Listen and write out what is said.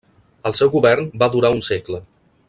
El seu govern va durar un segle.